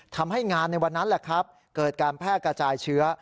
ทำให้งานในวันนั้นแหละครับเกิดการแพร่กระจายเชื้อ